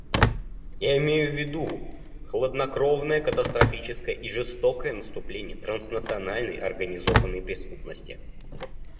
Я имею в виду хладнокровное, катастрофическое и жестокое наступление транснациональной организованной преступности.